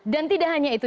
dan tidak hanya itu